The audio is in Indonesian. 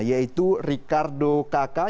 yaitu ricardo kakak